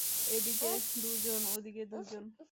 এদিকে দুজন, ওদিকে দুজন।